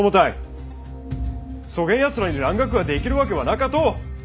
そげんやつらに蘭学ができるわけはなかと！